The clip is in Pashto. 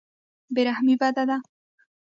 بې رحمي بده ده.